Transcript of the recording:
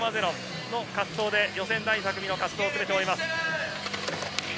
この滑走で予選第３組の滑走を全て終えます。